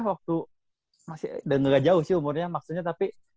waktu masih gak jauh sih umurnya maksudnya tapi